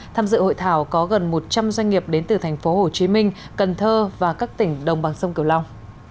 tham dự hội thảo có gần một trăm linh doanh nghiệp đến từ thành phố hồ chí minh cần thơ và các tỉnh đồng bằng sông kiều long